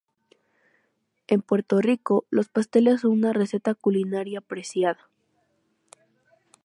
En Puerto Rico, los pasteles son una receta culinaria apreciada.